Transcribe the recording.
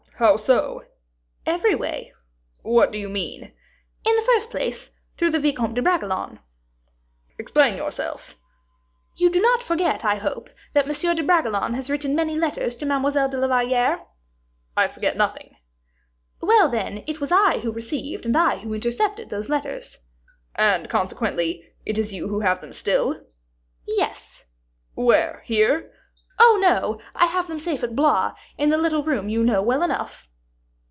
"How so?" "Every way." "What do you mean?" "In the first place, through the Vicomte de Bragelonne." "Explain yourself." "You do not forget, I hope, that Monsieur de Bragelonne has written many letters to Mademoiselle de la Valliere." "I forget nothing." "Well, then, it was I who received, and I who intercepted those letters." "And, consequently, it is you who have them still?" "Yes." "Where, here?" "Oh, no; I have them safe at Blois, in the little room you know well enough."